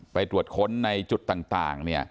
ไปตรวจค้นในจุดต่าง